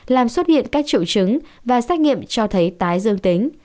làm xuất hiện các triệu chứng và xét nghiệm cho thấy tái dương tính